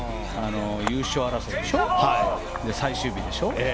優勝争いでしょ、最終日でしょ。